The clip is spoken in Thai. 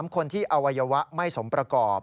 คนที่อวัยวะไม่สมประกอบ